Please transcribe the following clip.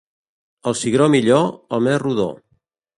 El cigró millor, el més rodó.